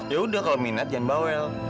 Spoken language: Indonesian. yaudah kalau minat jangan bawel